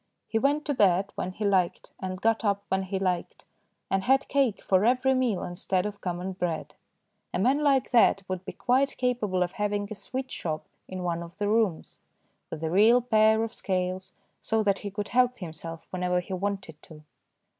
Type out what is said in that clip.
He went to bed when he liked and got up when he liked, and had cake for every meal instead of common bread. A man like that would be quite capable of having a sweetshop in one of the rooms, with a real pair of scales, so that 202 THE DAY BEFOKE YESTERDAY he could help himself whenever he wanted to.